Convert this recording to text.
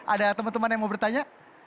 ada teman teman yang mau bertanya